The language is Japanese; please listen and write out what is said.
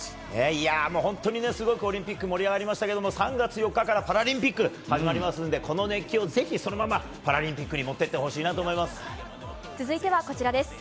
本当にすごくオリンピック盛り上がりましたけど３月４日からパラリンピック始まりますのでこの熱気をぜひそのままパラリンピックに持っていってほしいなと思います。